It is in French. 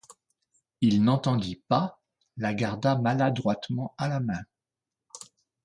Il n'entendit pas, la garda maladroitement à la main.